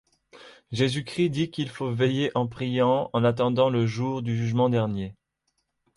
Jésus-Christ dit qu'il faut veiller en priant en attendant le jour du jugement dernier.